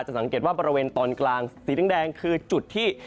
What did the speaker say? สังเกตว่าบริเวณตอนกลางสีแดงคือจุดที่